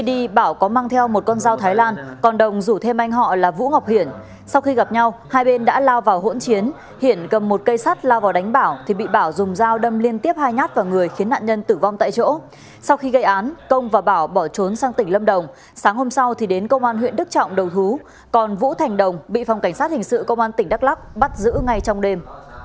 sau khi gây án công và bảo bỏ trốn sang tỉnh lâm đồng sáng hôm sau thì đến công an huyện đức trọng đầu thú còn vũ thành đồng bị phòng cảnh sát hình sự công an tỉnh đắk lắc bắt giữ ngay trong đêm